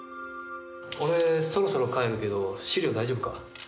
俺そろそろ帰るけど資料大丈夫か？